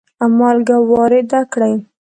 مالګه وارده کړي.